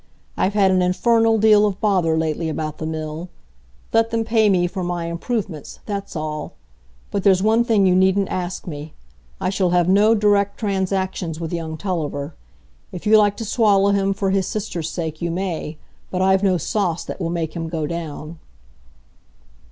"I've had an infernal deal of bother lately about the mill. Let them pay me for my improvements, that's all. But there's one thing you needn't ask me. I shall have no direct transactions with young Tulliver. If you like to swallow him for his sister's sake, you may; but I've no sauce that will make him go down."